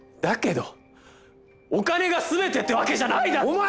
だけどお金が全てってわけじゃないだろ！？